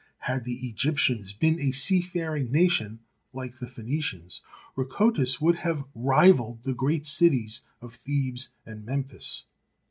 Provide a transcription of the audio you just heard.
Had the Egyptians been a seafaring nation, like the Phoenicians, Rakotis would have rivalled the great cities of Thebes and Memphis.